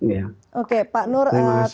ya oke pak nur